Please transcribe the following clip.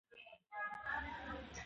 الله جل جلاله د صبرناکو ملګری دئ!